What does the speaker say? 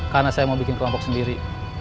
karena saya mau bikin kelompok sendiri